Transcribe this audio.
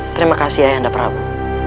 terima kasih ayah anda prabu